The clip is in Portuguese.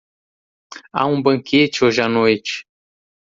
Há um banquete hoje à noite